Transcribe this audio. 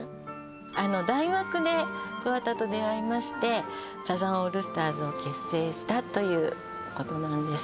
大学で桑田と出会いましてサザンオールスターズを結成したということなんです